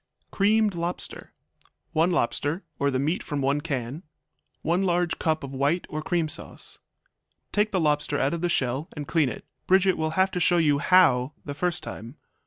Creamed Lobster 1 lobster, or the meat from 1 can. 1 large cup of white or cream sauce. Take the lobster out of the shell and clean it; Bridget will have to show you how the first time.